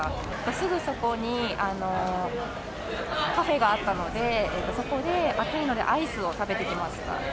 すぐそこにカフェがあったので、そこで暑いので、アイスを食べてきました。